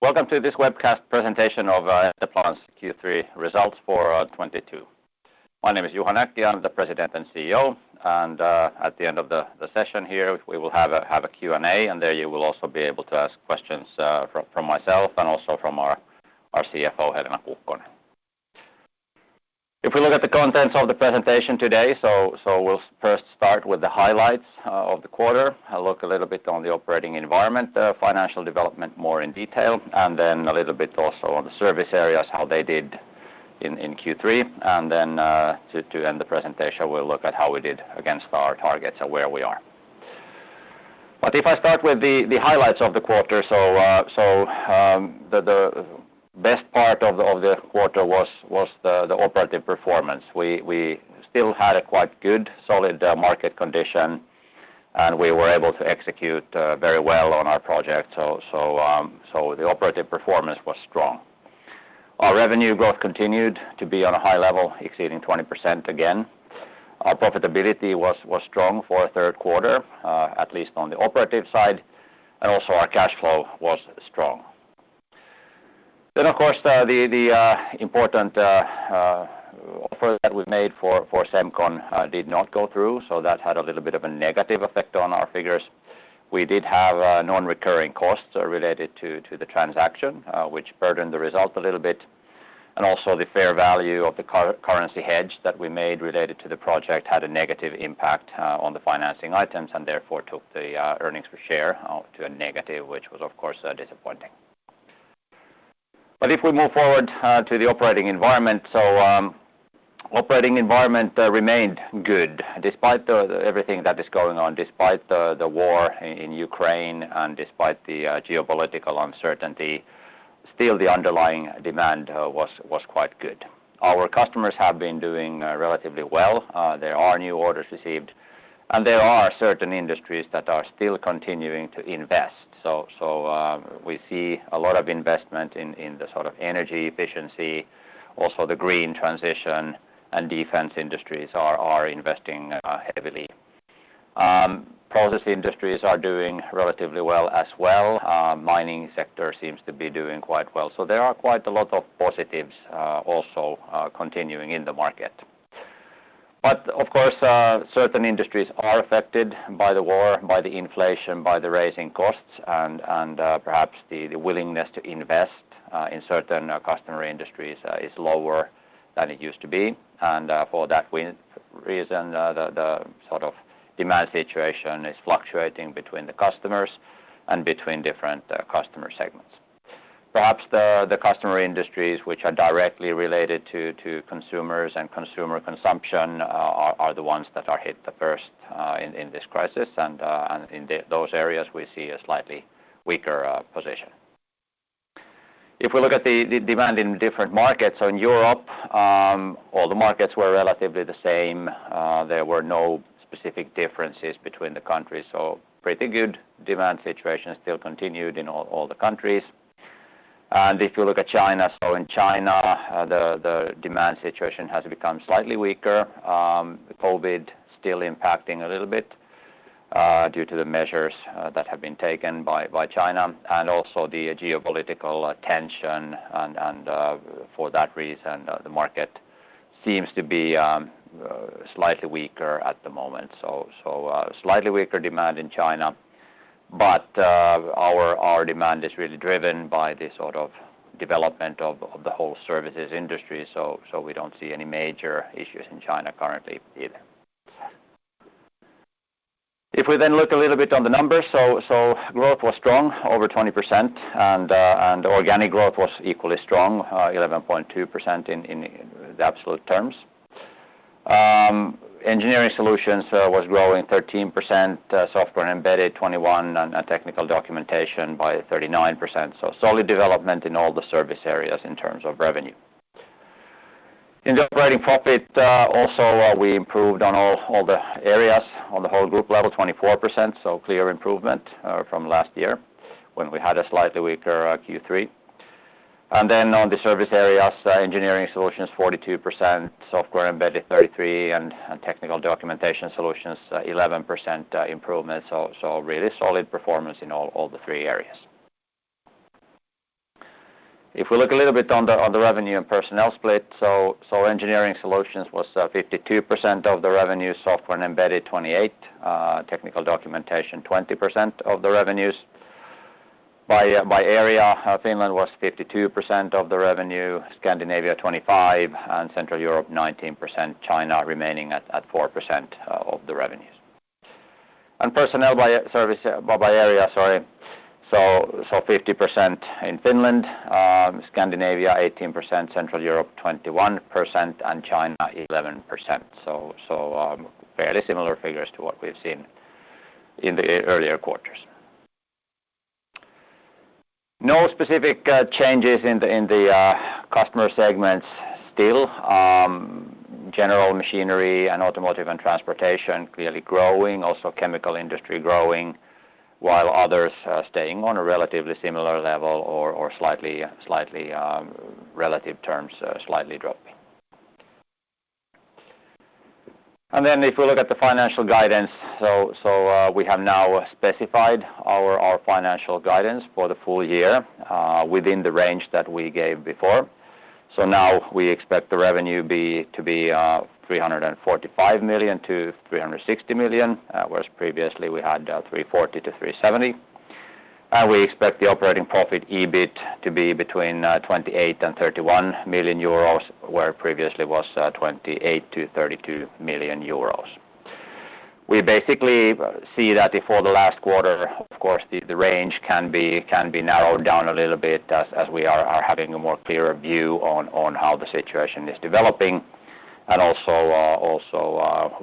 Welcome to this webcast presentation of Etteplan's Q3 results for 2022. My name is Juha Näkki. I'm the President and CEO, and at the end of the session here, we will have a Q&A, and there you will also be able to ask questions from myself and also from our CFO, Helena Kukkonen. If we look at the contents of the presentation today, we'll first start with the highlights of the quarter, look a little bit on the operating environment, financial development more in detail, and then a little bit also on the service areas, how they did in Q3. To end the presentation, we'll look at how we did against our targets and where we are. If I start with the highlights of the quarter, the best part of the quarter was the operative performance. We still had a quite good, solid market condition, and we were able to execute very well on our project. The operative performance was strong. Our revenue growth continued to be on a high level, exceeding 20% again. Our profitability was strong for a third quarter, at least on the operative side, and also our cash flow was strong. Of course the important offer that was made for Semcon did not go through, so that had a little bit of a negative effect on our figures. We did have non-recurring costs related to the transaction, which burdened the result a little bit. Also the fair value of the currency hedge that we made related to the project had a negative impact on the financing items and therefore took the earnings per share to a negative, which was of course disappointing. If we move forward to the operating environment. Operating environment remained good despite everything that is going on, despite the war in Ukraine and despite the geopolitical uncertainty, still the underlying demand was quite good. Our customers have been doing relatively well. There are new orders received, and there are certain industries that are still continuing to invest. We see a lot of investment in the sort of energy efficiency, also the green transition and defense industries are investing heavily. Process industries are doing relatively well as well. Mining sector seems to be doing quite well. There are quite a lot of positives, also continuing in the market. Of course, certain industries are affected by the war, by the inflation, by the rising costs and perhaps the willingness to invest in certain customer industries is lower than it used to be. For that reason, the sort of demand situation is fluctuating between the customers and between different customer segments. Perhaps the customer industries which are directly related to consumers and consumer consumption are the ones that are hit the first in this crisis. In those areas, we see a slightly weaker position. If we look at the demand in different markets, so in Europe, all the markets were relatively the same. There were no specific differences between the countries. Pretty good demand situation still continued in all the countries. If you look at China, so in China, the demand situation has become slightly weaker. The COVID still impacting a little bit due to the measures that have been taken by China and also the geopolitical tension and for that reason the market seems to be slightly weaker at the moment. Slightly weaker demand in China. Our demand is really driven by the sort of development of the whole services industry. We don't see any major issues in China currently either. If we look a little bit on the numbers. Growth was strong, over 20%, and organic growth was equally strong, 11.2% in the absolute terms. Engineering Solutions was growing 13%, Software and Embedded 21%, and technical documentation by 39%. Solid development in all the service areas in terms of revenue. In the operating profit, we improved on all the areas on the whole group level 24%. Clear improvement from last year when we had a slightly weaker Q3. On the service areas, Engineering Solutions 42%, Software and Embedded Solutions 33%, and Technical Communication Solutions 11% improvement. Really solid performance in all the three areas. If we look a little bit on the revenue and personnel split. Engineering Solutions was 52% of the revenue, Software and Embedded Solutions 28%, Technical Communication Solutions 20% of the revenues. By area, Finland was 52% of the revenue, Scandinavia 25%, and Central Europe 19%, China remaining at 4% of the revenues. Personnel by service by area, sorry. Fairly similar figures to what we've seen in the earlier quarters. No specific changes in the customer segments still. General machinery and automotive and transportation clearly growing, also chemical industry growing, while others staying on a relatively similar level or, in relative terms, slightly dropping. If we look at the financial guidance, we have now specified our financial guidance for the full year within the range that we gave before. Now we expect the revenue to be 345 million-360 million. Whereas previously, we had 340 million-370 million. We expect the operating profit EBIT to be between 28 million and 31 million euros, where previously was 28 million-32 million euros. We basically see that for the last quarter, of course, the range can be narrowed down a little bit as we are having a more clearer view on how the situation is developing. Also,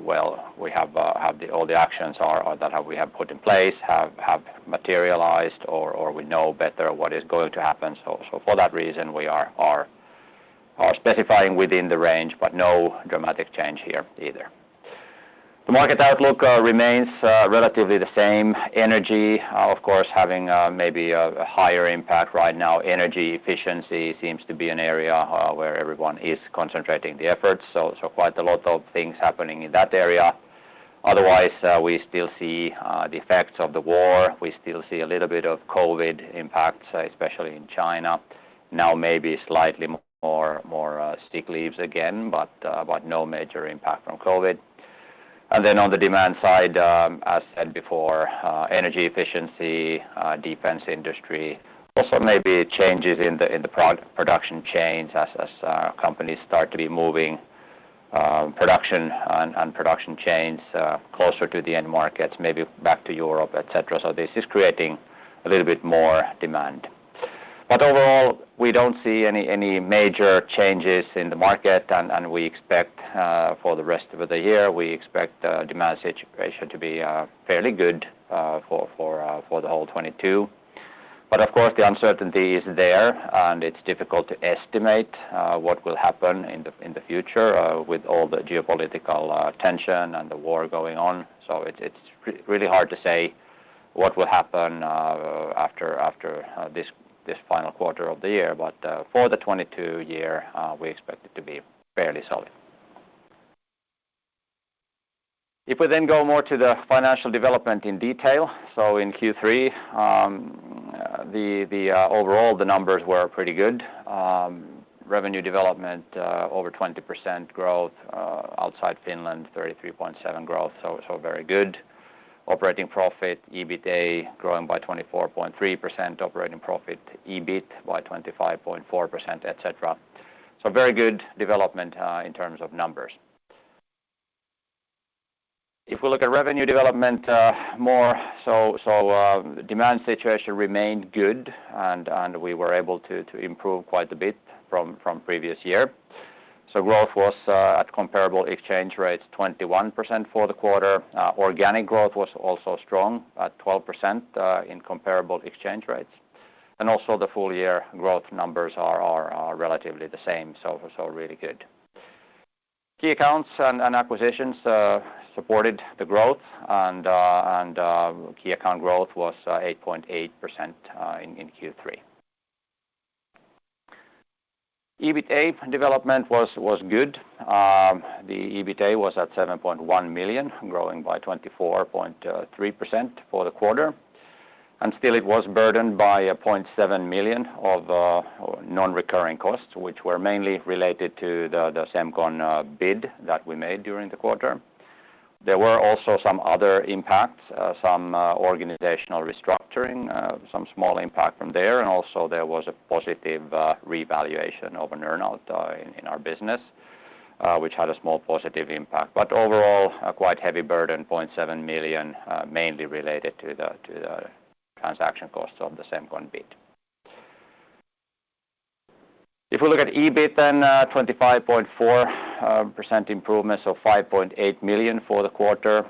well, we have all the actions that we have put in place have materialized or we know better what is going to happen. For that reason, we are specifying within the range, but no dramatic change here either. The market outlook remains relatively the same. Energy, of course, having maybe a higher impact right now. Energy efficiency seems to be an area where everyone is concentrating their efforts. Quite a lot of things happening in that area. Otherwise, we still see the effects of the war. We still see a little bit of COVID impacts, especially in China. Now, maybe slightly more sick leaves again, but no major impact from COVID. On the demand side, as said before, energy efficiency, defense industry, also maybe changes in the production chains as companies start to be moving production and production chains closer to the end markets, maybe back to Europe, etc. This is creating a little bit more demand. Overall, we don't see any major changes in the market and we expect, for the rest of the year, demand situation to be fairly good for the whole 2022. Of course, the uncertainty is there, and it's difficult to estimate what will happen in the future with all the geopolitical tension and the war going on. It's really hard to say what will happen after this final quarter of the year. For the 2022 year, we expect it to be fairly solid. If we then go more to the financial development in detail. In Q3, the overall numbers were pretty good. Revenue development, over 20% growth, outside Finland, 33.7% growth, so very good. Operating profit, EBITA growing by 24.3%, operating profit EBIT by 25.4%, etc. Very good development in terms of numbers. If we look at revenue development, more so, demand situation remained good and we were able to improve quite a bit from previous year. Growth was at comparable exchange rates, 21% for the quarter. Organic growth was also strong at 12% in comparable exchange rates. The full year growth numbers are relatively the same, really good. Key accounts and acquisitions supported the growth and key account growth was 8.8% in Q3. EBITDA development was good. The EBITDA was at 7.1 million, growing by 24.3% for the quarter. Still it was burdened by 0.7 million of non-recurring costs, which were mainly related to the Semcon bid that we made during the quarter. There were also some other impacts, some organizational restructuring, some small impact from there. Also there was a positive revaluation of a earnout in our business, which had a small positive impact. Overall, a quite heavy burden, 0.7 million, mainly related to the transaction costs of the Semcon bid. If we look at EBIT then, 25.4% improvement, so 5.8 million for the quarter.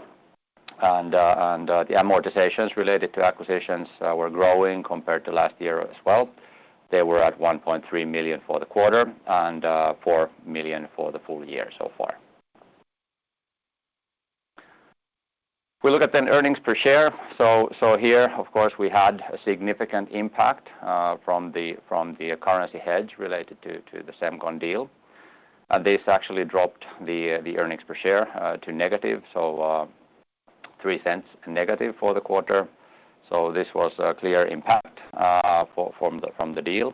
The amortizations related to acquisitions were growing compared to last year as well. They were at 1.3 million for the quarter and 4 million for the full year so far. We look at then earnings per share. Here, of course, we had a significant impact from the currency hedge related to the Semcon deal. This actually dropped the earnings per share to -0.03 EUR for the quarter. This was a clear impact from the deal.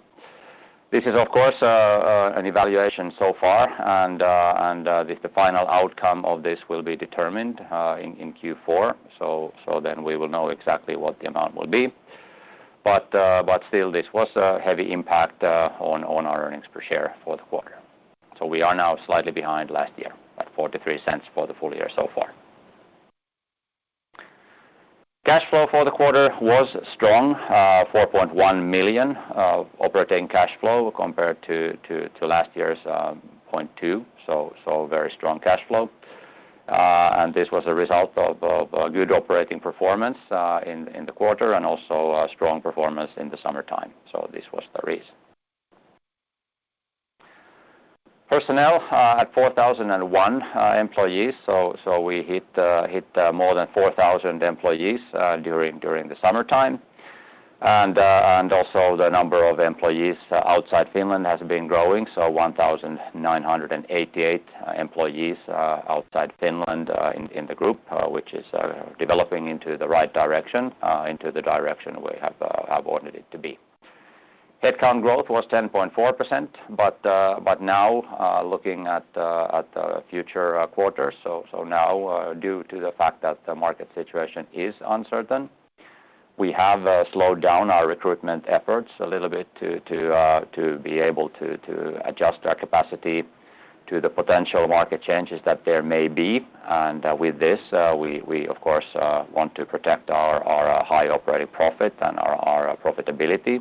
This is, of course, an evaluation so far and the final outcome of this will be determined in Q4. We will know exactly what the amount will be. Still, this was a heavy impact on our earnings per share for the quarter. We are now slightly behind last year at 0.43 EUR for the full year so far. Cash flow for the quarter was strong, 4.1 million of operating cash flow compared to last year's 0.2 million. Very strong cash flow. This was a result of good operating performance in the quarter and also a strong performance in the summertime. This was the reason. Personnel at 4,001 employees. We hit more than 4,000 employees during the summertime. Also the number of employees outside Finland has been growing, so 1,988 employees outside Finland in the group, which is developing into the right direction, into the direction we have wanted it to be. Headcount growth was 10.4%, but now looking at the future quarters. Now due to the fact that the market situation is uncertain, we have slowed down our recruitment efforts a little bit to be able to adjust our capacity to the potential market changes that there may be. With this, we of course want to protect our high operating profit and our profitability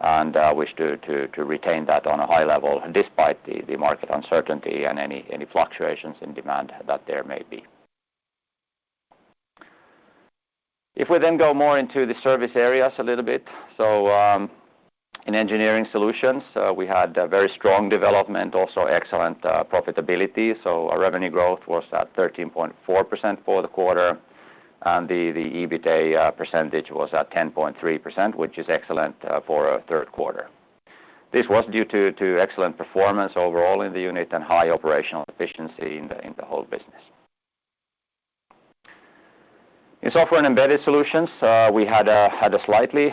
and wish to retain that on a high level despite the market uncertainty and any fluctuations in demand that there may be. If we then go more into the service areas a little bit. In Engineering Solutions, we had a very strong development, also excellent profitability. Our revenue growth was at 13.4% for the quarter, and the EBITA percentage was at 10.3%, which is excellent for a third quarter. This was due to excellent performance overall in the unit and high operational efficiency in the whole business. In Software and Embedded Solutions, we had a slightly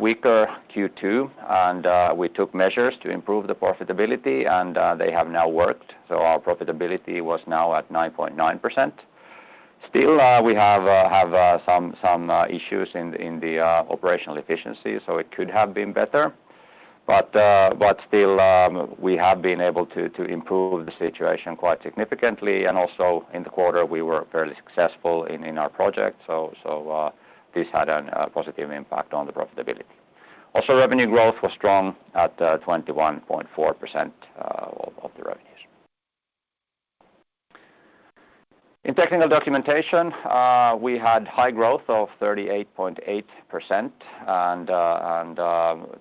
weaker Q2, and we took measures to improve the profitability and they have now worked. Our profitability was now at 9.9%. Still, we have some issues in the operational efficiency. It could have been better. Still, we have been able to improve the situation quite significantly. Also in the quarter, we were fairly successful in our projects. This had a positive impact on the profitability. Also, revenue growth was strong at 21.4% of the revenues. In technical documentation, we had high growth of 38.8%.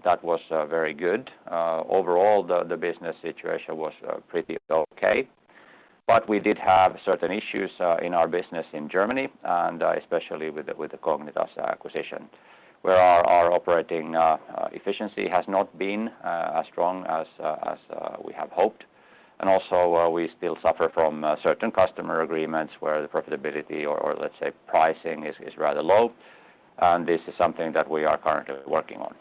That was very good. Overall, the business situation was pretty okay. We did have certain issues in our business in Germany, and especially with the Cognitas acquisition. Where our operating efficiency has not been as strong as we have hoped. Also, we still suffer from certain customer agreements where the profitability or let's say, pricing is rather low. This is something that we are currently working on.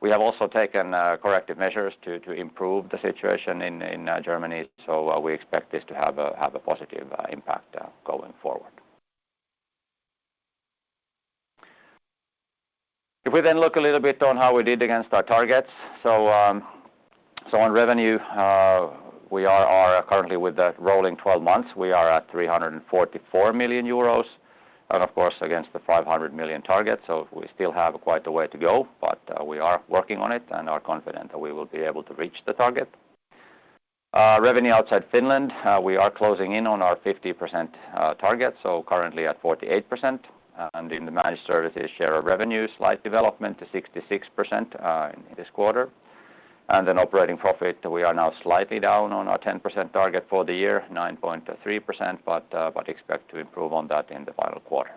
We have also taken corrective measures to improve the situation in Germany. We expect this to have a positive impact going forward. If we look a little bit on how we did against our targets. On revenue, we are currently with the rolling 12 months. We are at 344 million euros, and of course, against the 500 million target. We still have quite a way to go, but we are working on it and are confident that we will be able to reach the target. Revenue outside Finland, we are closing in on our 50% target, so currently at 48%. In the Managed Services share of revenue, slight development to 66% in this quarter. In operating profit, we are now slightly down on our 10% target for the year, 9.3%, but expect to improve on that in the final quarter.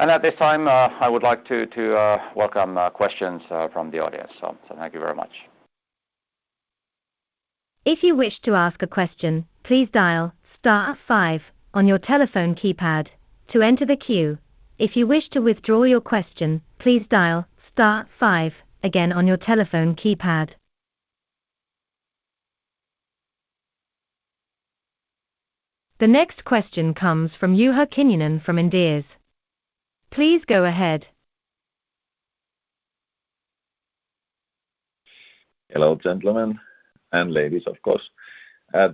At this time, I would like to welcome questions from the audience. Thank you very much. If you wish to ask a question, please dial star five on your telephone keypad to enter the queue. If you wish to withdraw your question, please dial star five again on your telephone keypad. The next question comes from Juha Kinnunen from Inderes. Please go ahead. Hello, gentlemen and ladies, of course.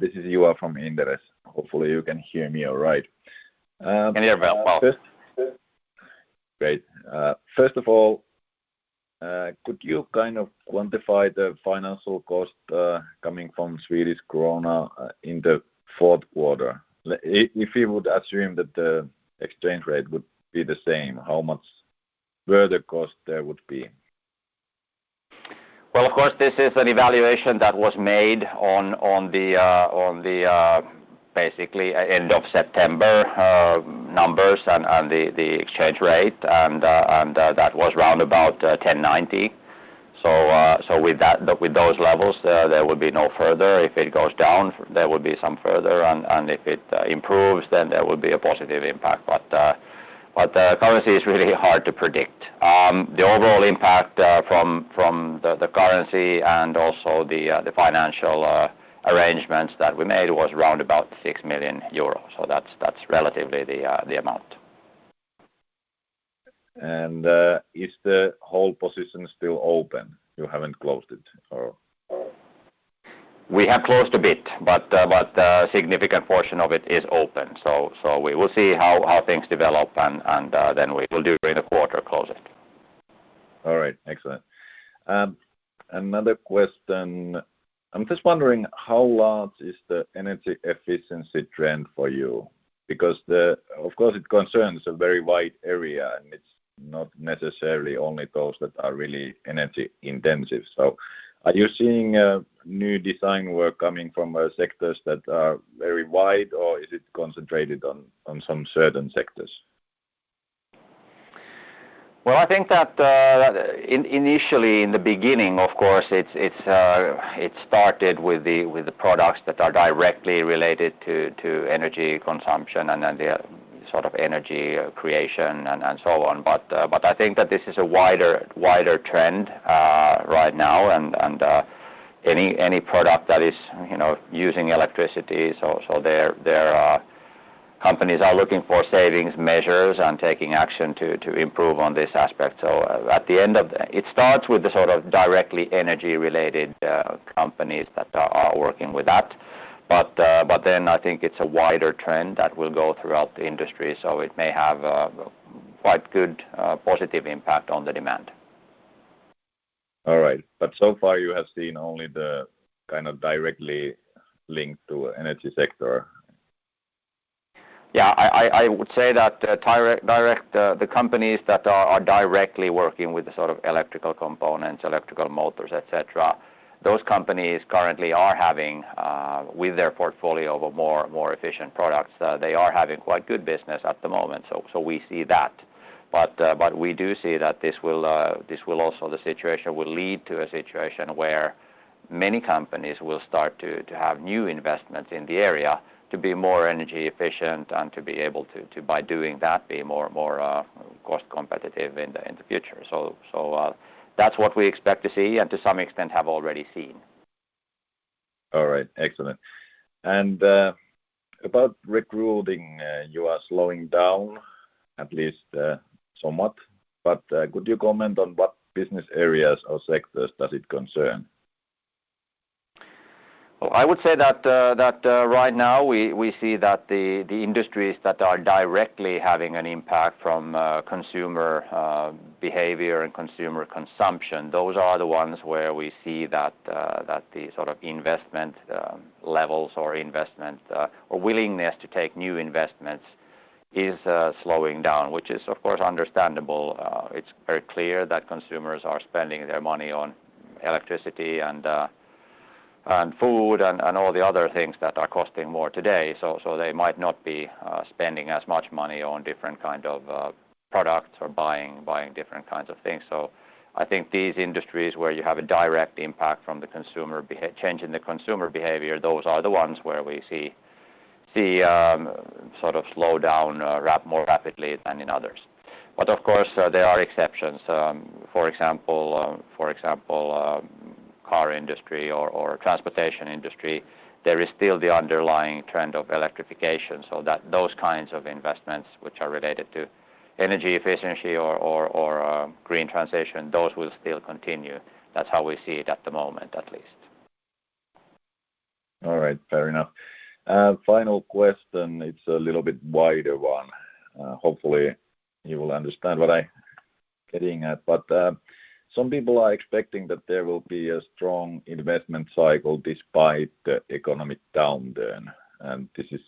This is Juha from Inderes. Hopefully, you can hear me all right. Can hear well. Great. First of all, could you kind of quantify the financial cost coming from Swedish krona in the fourth quarter? If you would assume that the exchange rate would be the same, how much further cost there would be? Well, of course, this is an evaluation that was made on the basically end of September numbers and on the exchange rate. That was round about 10.90. With those levels there would be no further. If it goes down, there would be some further. If it improves, then there would be a positive impact. The currency is really hard to predict. The overall impact from the currency and also the financial arrangements that we made was round about 6 million euros. That's relatively the amount. Is the whole position still open? You haven't closed it or? We have closed a bit, but a significant portion of it is open. We will see how things develop and then we will do it in a quarter, close it. All right. Excellent. Another question. I'm just wondering, how large is the energy efficiency trend for you? Because of course, it concerns a very wide area and not necessarily only those that are really energy intensive. So are you seeing new design work coming from sectors that are very wide or is it concentrated on some certain sectors? Well, I think that initially in the beginning, of course, it started with the products that are directly related to energy consumption and then the sort of energy creation and so on. I think that this is a wider trend right now and any product that is, you know, using electricity. There are companies looking for savings measures and taking action to improve on this aspect. It starts with the sort of directly energy related companies that are working with that. I think it's a wider trend that will go throughout the industry. It may have a quite good positive impact on the demand. All right. So far you have seen only the kind of directly linked to energy sector. Yeah. I would say the companies that are directly working with the sort of electrical components, electrical motors, etc, those companies currently are having with their portfolio of a more efficient products, they are having quite good business at the moment. We see that. We do see that this will also the situation will lead to a situation where many companies will start to have new investments in the area to be more energy efficient and to be able to by doing that, be more cost competitive in the future. That's what we expect to see and to some extent have already seen. All right. Excellent. About recruiting, you are slowing down at least, somewhat. Could you comment on what business areas or sectors does it concern? Well, I would say that right now we see that the industries that are directly having an impact from consumer behavior and consumer consumption, those are the ones where we see that the sort of investment levels or investment or willingness to take new investments is slowing down, which is of course understandable. It's very clear that consumers are spending their money on electricity and food and all the other things that are costing more today. They might not be spending as much money on different kind of products or buying different kinds of things. I think these industries where you have a direct impact from the change in the consumer behavior, those are the ones where we see sort of slow down more rapidly than in others. Of course, there are exceptions. For example, car industry or transportation industry, there is still the underlying trend of electrification. That those kinds of investments which are related to energy efficiency or green transition, those will still continue. That's how we see it at the moment, at least. All right. Fair enough. Final question, it's a little bit wider one. Hopefully you will understand what I'm getting at. Some people are expecting that there will be a strong investment cycle despite the economic downturn. This is,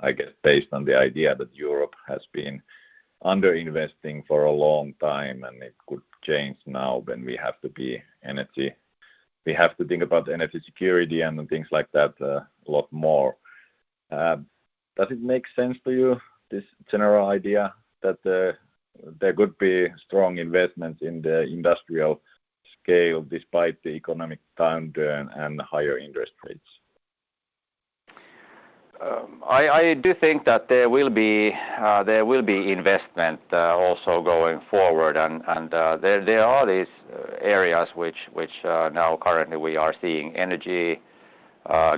I guess based on the idea that Europe has been underinvesting for a long time and it could change now when we have to think about energy security and things like that, a lot more. Does it make sense to you this general idea that there could be strong investments in the industrial scale despite the economic downturn and higher interest rates? I do think that there will be investment also going forward. There are these areas which now currently we are seeing energy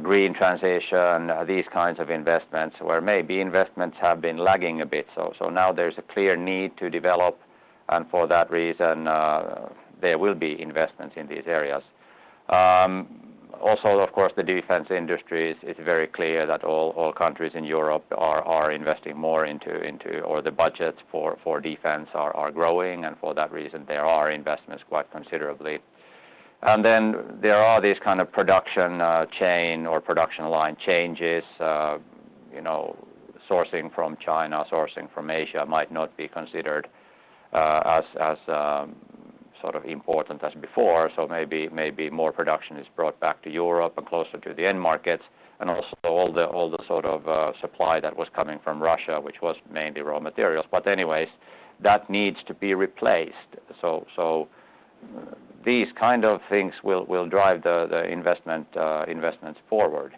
green transition, these kinds of investments where maybe investments have been lagging a bit. Now there's a clear need to develop and for that reason there will be investments in these areas. Also of course the defense industries, it's very clear that all countries in Europe are investing more into or the budgets for defense are growing and for that reason there are investments quite considerably. Then there are these kind of production chain or production line changes. You know, sourcing from China, sourcing from Asia might not be considered as sort of important as before. Maybe more production is brought back to Europe and closer to the end markets and also all the sort of supply that was coming from Russia, which was mainly raw materials. Anyways, that needs to be replaced. These kind of things will drive the investments forward.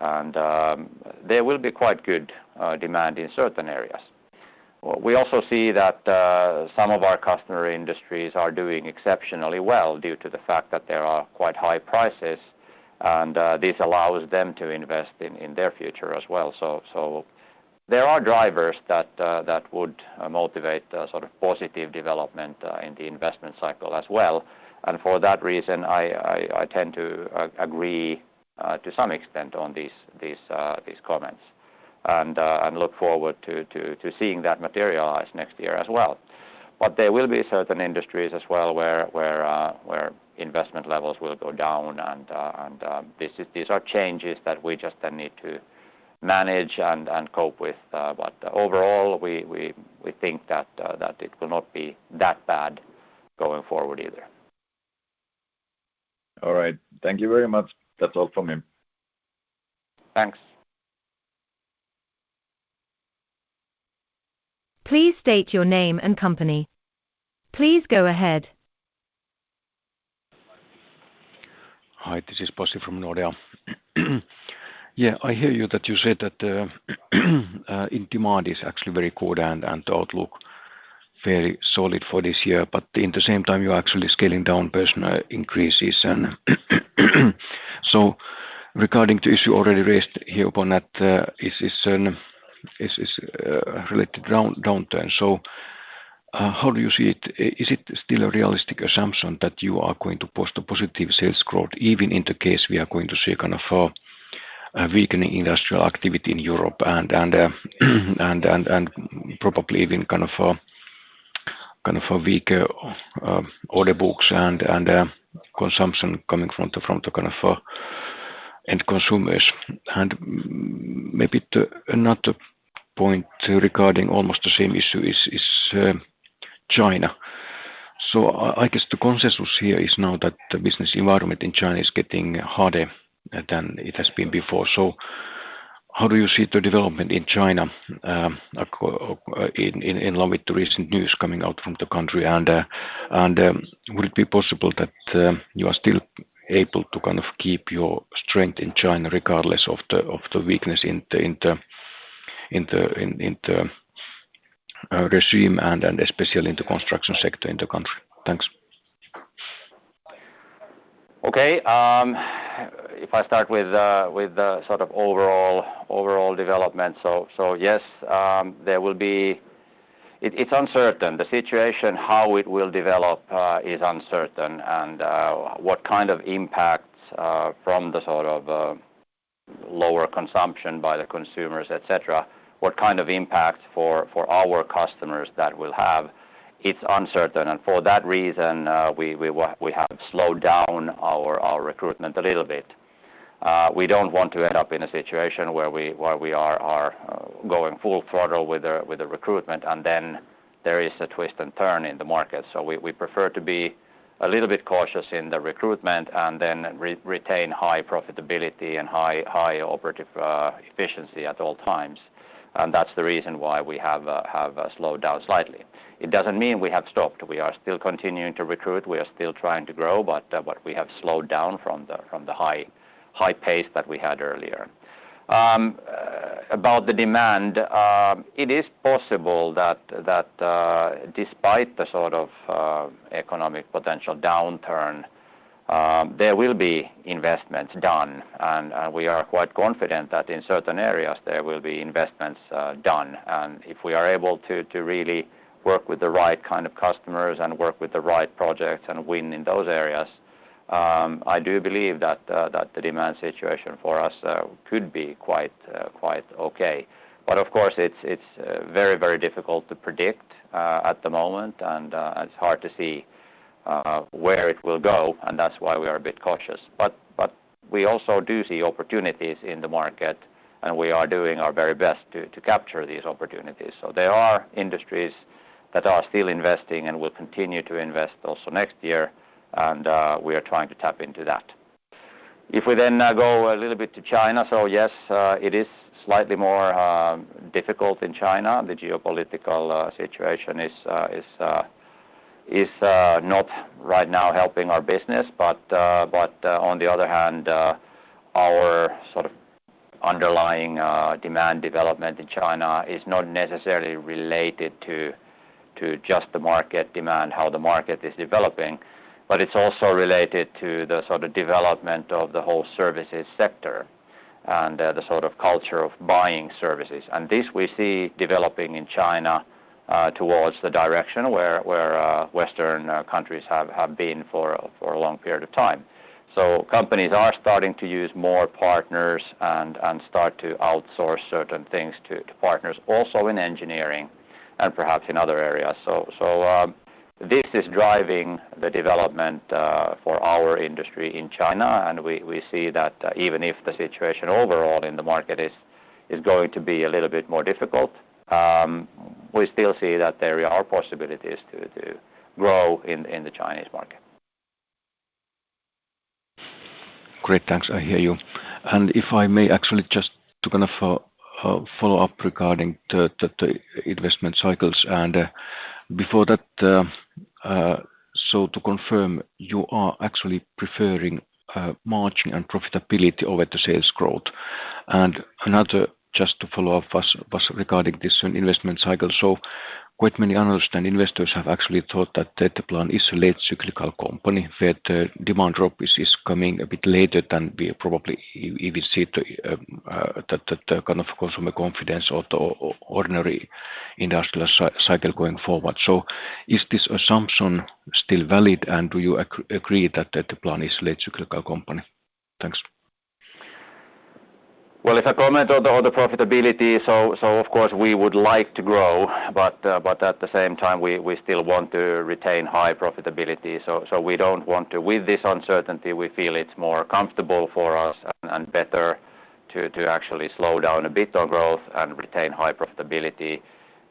There will be quite good demand in certain areas. We also see that some of our customer industries are doing exceptionally well due to the fact that there are quite high prices and this allows them to invest in their future as well. There are drivers that would motivate a sort of positive development in the investment cycle as well. For that reason, I tend to agree to some extent on these comments and look forward to seeing that materialize next year as well. There will be certain industries as well where investment levels will go down and these are changes that we just then need to manage and cope with, but overall we think that it will not be that bad going forward either. All right. Thank you very much. That's all from me. Thanks. Please state your name and company. Please go ahead. Hi, this is Pasi from Nordea. Yeah, I hear you that you said that the demand is actually very good and the outlook fairly solid for this year. In the same time you're actually scaling down personnel increases and so regarding the issue already raised here on that is related downturn. How do you see it? Is it still a realistic assumption that you are going to post a positive sales growth even in the case we are going to see kind of a weakening industrial activity in Europe and probably even kind of a weaker order books and consumption coming from the kind of end consumers. Maybe another point regarding almost the same issue is China. I guess the consensus here is now that the business environment in China is getting harder than it has been before. How do you see the development in China in light of the recent news coming out from the country and would it be possible that you are still able to kind of keep your strength in China regardless of the weakness in the region and especially in the construction sector in the country? Thanks. Okay. If I start with the sort of overall development. Yes, there will be. It's uncertain. The situation, how it will develop, is uncertain and what kind of impacts from the sort of lower consumption by the consumers, etc, what kind of impacts for our customers that will have, it's uncertain. For that reason, we have slowed down our recruitment a little bit. We don't want to end up in a situation where we are going full throttle with the recruitment and then there is a twist and turn in the market. We prefer to be a little bit cautious in the recruitment and then retain high profitability and high operative efficiency at all times. That's the reason why we have slowed down slightly. It doesn't mean we have stopped. We are still continuing to recruit. We are still trying to grow, but we have slowed down from the high pace that we had earlier. About the demand, it is possible that, despite the sort of economic potential downturn, there will be investments done. We are quite confident that in certain areas there will be investments done. If we are able to really work with the right kind of customers and work with the right projects and win in those areas, I do believe that the demand situation for us could be quite okay. Of course it's very, very difficult to predict at the moment. It's hard to see where it will go, and that's why we are a bit cautious. But we also do see opportunities in the market, and we are doing our very best to capture these opportunities. There are industries that are still investing and will continue to invest also next year, and we are trying to tap into that. If we then go a little bit to China. Yes, it is slightly more difficult in China. The geopolitical situation is not right now helping our business. On the other hand, our sort of underlying demand development in China is not necessarily related to just the market demand, how the market is developing, but it's also related to the sort of development of the whole services sector and the sort of culture of buying services. This we see developing in China towards the direction where Western countries have been for a long period of time. Companies are starting to use more partners and start to outsource certain things to partners also in engineering and perhaps in other areas. This is driving the development for our industry in China. We see that even if the situation overall in the market is going to be a little bit more difficult, we still see that there are possibilities to grow in the Chinese market. Great. Thanks. I hear you. If I may actually just to kind of follow up regarding the investment cycles. Before that, to confirm, you are actually preferring margin and profitability over the sales growth. Another just to follow up was regarding this investment cycle. Quite many analysts and investors have actually thought that Etteplan is a late cyclical company, where the demand drop is coming a bit later than we probably even see the kind of consumer confidence of the ordinary industrial cycle going forward. Is this assumption still valid, and do you agree that Etteplan is late cyclical company? Thanks. Well, if I comment on the profitability, of course we would like to grow, but at the same time we still want to retain high profitability. We don't want to. With this uncertainty, we feel it's more comfortable for us and better to actually slow down a bit on growth and retain high profitability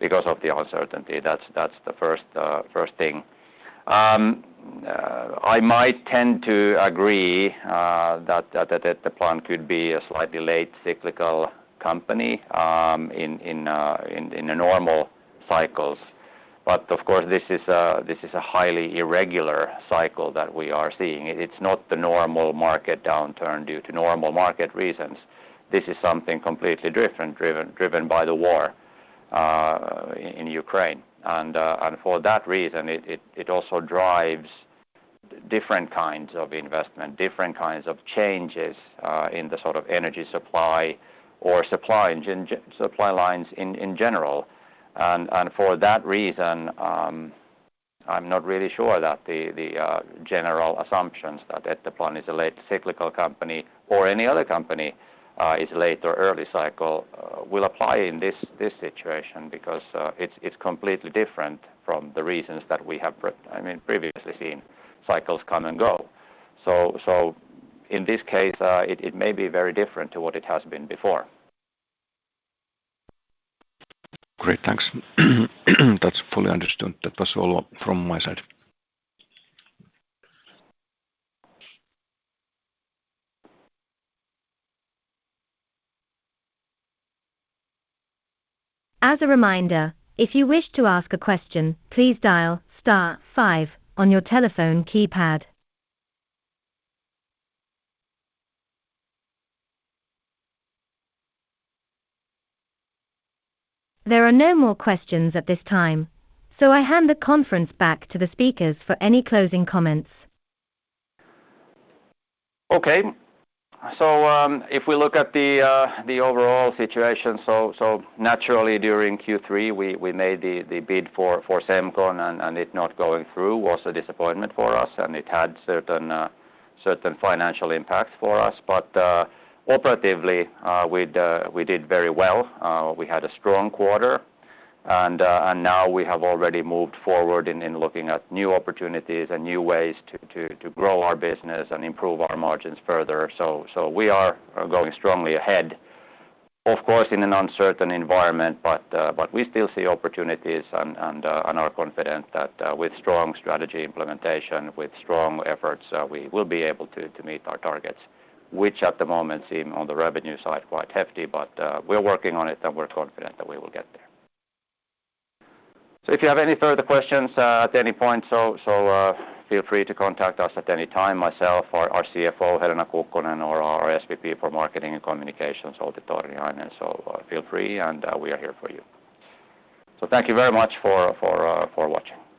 because of the uncertainty. That's the first thing. I might tend to agree that Etteplan could be a slightly late cyclical company in the normal cycles, but of course, this is a highly irregular cycle that we are seeing. It's not the normal market downturn due to normal market reasons. This is something completely different, driven by the war in Ukraine. For that reason, it also drives different kinds of investment, different kinds of changes in the sort of energy supply or supply lines in general. For that reason, I'm not really sure that the general assumptions that Etteplan is a late cyclical company or any other company is late or early cycle will apply in this situation because it's completely different from the reasons that we have I mean, previously seen cycles come and go. In this case, it may be very different to what it has been before. Great. Thanks. That's fully understood. That was all from my side. As a reminder, if you wish to ask a question, please dial star five on your telephone keypad. There are no more questions at this time, so I hand the conference back to the speakers for any closing comments. Okay. If we look at the overall situation, naturally during Q3, we made the bid for Semcon, and it not going through was a disappointment for us, and it had certain financial impact for us. Operatively, we did very well. We had a strong quarter, and now we have already moved forward in looking at new opportunities and new ways to grow our business and improve our margins further. We are going strongly ahead, of course, in an uncertain environment, but we still see opportunities and are confident that, with strong strategy implementation, with strong efforts, we will be able to meet our targets, which at the moment seem on the revenue side, quite hefty. We're working on it, and we're confident that we will get there. If you have any further questions at any point, feel free to contact us at any time, myself or our CFO, Helena Kukkonen, or our SVP for Marketing and Communications, Outi Torniainen. Feel free, and we are here for you. Thank you very much for watching.